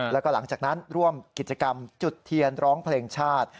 แล้วก็หลังจากนั้นร่วมกิจกรรมจุดเทียนร้องเพลงชาติ